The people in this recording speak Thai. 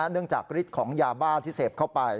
เนื่องจากฤทธิ์ของยาบ้าที่เสพเข้าไป